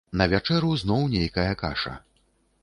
На вячэру зноў нейкая каша.